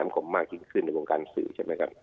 คมมากยิ่งขึ้นในวงการสื่อใช่ไหมครับ